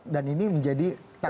dan ini menjadi tak kekuasaan